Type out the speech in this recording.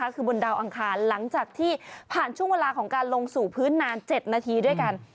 คือบนดาวอังคารหลังจากที่ผ่านช่วงเวลาของการลงสู่พื้นนาน๗นาทีด้วยกัน